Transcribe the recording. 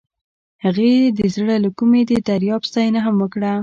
هغې د زړه له کومې د دریاب ستاینه هم وکړه.